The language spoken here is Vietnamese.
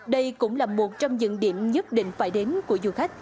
đây cũng là một trong những điểm nhất định phải đến của du khách